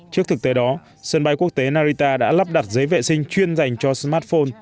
trước thực tế đó sân bay quốc tế narita đã lắp đặt giấy vệ sinh chuyên dành cho smartphone